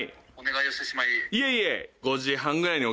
いえいえ。